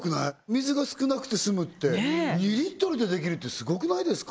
水が少なくて済むってねえ２リットルでできるってすごくないですか？